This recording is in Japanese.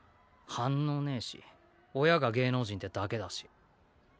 反応ねぇし親が芸能人ってだけだし。